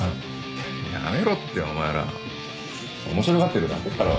やめろってお前ら面白がってるだけだろ。